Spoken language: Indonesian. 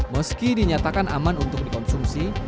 meski dinyatakan aman untuk dikonsumsi